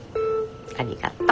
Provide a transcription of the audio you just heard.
ありがと。